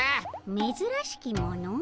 めずらしきもの？